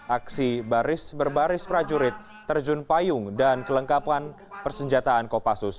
aksi baris berbaris prajurit terjun payung dan kelengkapan persenjataan kopassus